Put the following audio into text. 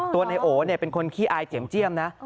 ตัวในโอเป็นคนขี้อายเจ๋มนะ